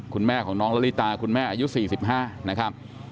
คุณแม่ของน้องละลิตาคุณแม่อายุ๔๕นะครับ